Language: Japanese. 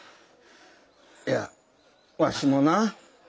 いやわしもな